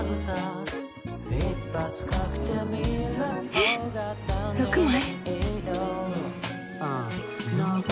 えっ６枚？